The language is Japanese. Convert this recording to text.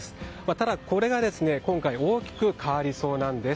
ただこれが大きく変わりそうなんです。